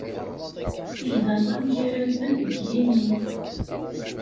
Igḍaḍ-a mgerraden deg yini.